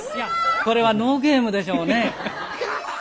これはノーゲームでしょうね。